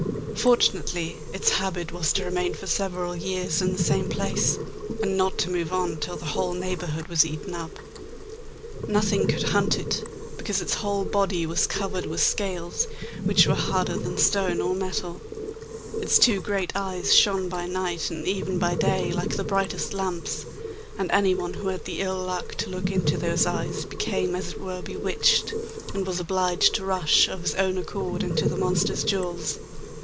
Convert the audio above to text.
Fortunately its habit, was to remain for several years in the same place, and not to move on till the whole neighbourhood was eaten up. Nothing could hunt it, because its whole body was covered with scales, which were harder than stone or metal; its two great eyes shone by night, and even by day, like the brightest lamps, and anyone who had the ill luck to look into those eyes became as it were bewitched, and was obliged to rush of his own accord into the monster's jaws.